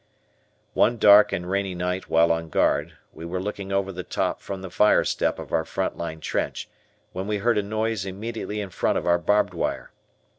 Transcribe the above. One dark and rainy night while on guard we were looking over the top from the fire step of our front line trench, when we heard a noise immediately in front of our barbed wire.